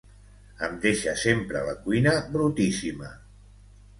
Em deixa sempre la cuina brutíssima.